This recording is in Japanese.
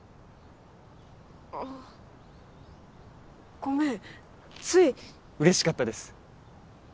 あごめんつい嬉しかったです